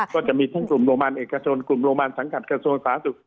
ก็จะมีทั้งกลุ่มโรงพยาบาลเอกชนกลุ่มโรงพยาบาลสังกัดกระทรวงสาธารณสุข